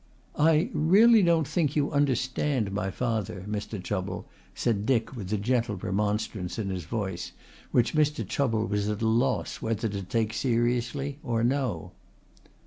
"I really don't think you understand my father, Mr. Chubble," said Dick with a gentle remonstrance in his voice which Mr. Chubble was at a loss whether to take seriously or no.